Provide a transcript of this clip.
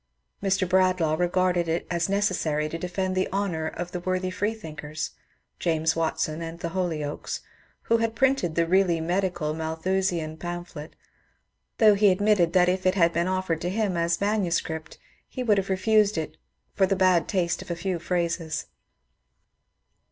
Mr. Bradlaugh regarded it as necessary to defend the honour of the worthy freethinkers — James Watson and the Holy oakes — who had printed the really medical Malthusian pamphlet, though he admitted that if it had been offered to him as manuscript he would have refused it for the bad taste of a few phrases.